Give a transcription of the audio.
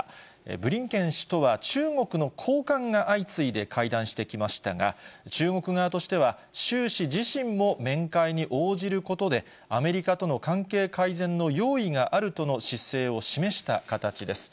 ブリンケン氏とは中国の高官が相次いで会談してきましたが、中国側としては、習氏自身も面会に応じることで、アメリカとの関係改善の用意があるとの姿勢を示した形です。